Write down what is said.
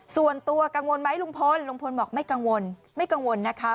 ส่วนตัวกังวลไหมลุงพลลุงพลบอกไม่กังวลไม่กังวลนะคะ